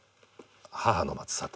『母の待つ里』